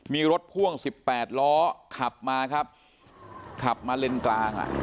มีรถพ่วงสิบแปดล้อขับมาครับขับมาเลนกลางอ่ะ